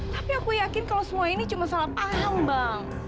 tapi aku yakin kalau semua ini cuma salah paham bang